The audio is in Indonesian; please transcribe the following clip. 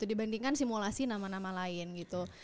dibandingkan simulasi nama nama lain gitu